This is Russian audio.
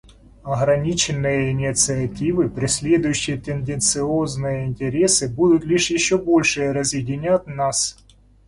Ограниченные инициативы, преследующие тенденциозные интересы, будут лишь еще больше разъединять нас.